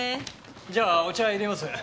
じゃあお茶入れますね。